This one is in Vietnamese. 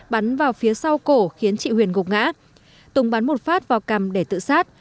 bắn vào phía sau cổ khiến chị huyền gục ngã tùng bắn một phát vào cằm để tự sát